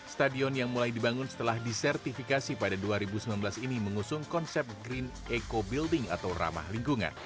stadion yang mulai dibangun setelah disertifikasi pada dua ribu sembilan belas ini mengusung konsep green eco building atau ramah lingkungan